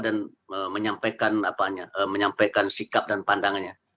dan menyampaikan sikap dan pandangannya